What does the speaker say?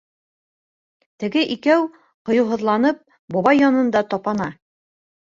Теге икәү, ҡыйыуһыҙланып, бабай янында тапана.